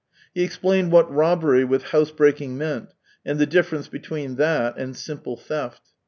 He explained what robbery with house breaking meaiit. and the difference between that and simple theft.